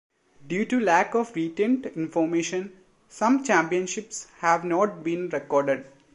Due to the lack of retained information, some championships have not been recorded.